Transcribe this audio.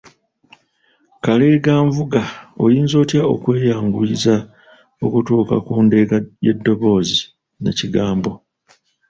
Kaleeganvuga, oyinza otya okweyanguyiza okutuuka ku ndeega y’eddoboozi nnakigambo?